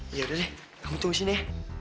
iya udah deh kamu tunggu sini ya